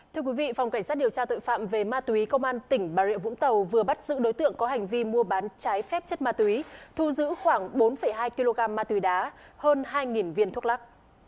thưa quý vị phòng cảnh sát điều tra tội phạm về ma túy công an tỉnh bà rịa vũng tàu vừa bắt giữ đối tượng có hành vi mua bán trái phép chất ma túy thu giữ khoảng bốn hai kg ma túy đá hơn hai viên thuốc lắc